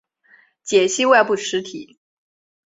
解析外部实体。